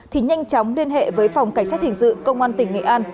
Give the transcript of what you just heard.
thì nhanh chóng liên hệ với phòng cảnh sát hình sự công an tỉnh nghệ an